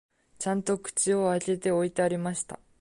ちゃんと口を開けて置いてありました